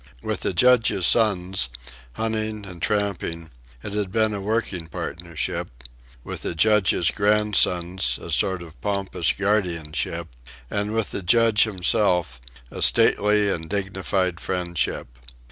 With the Judge's sons, hunting and tramping, it had been a working partnership; with the Judge's grandsons, a sort of pompous guardianship; and with the Judge himself, a stately and dignified friendship.